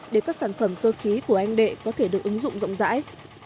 để các sản phẩm cơ khí của anh đệ có thể được ứng dụng rộng rãi